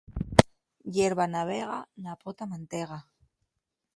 Yerba na vega, na pota mantega.